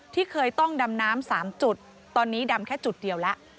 ที่เคยต้องดำน้ำ๓จุดตอนนี้ดำแค่จุดเดียวแล้ว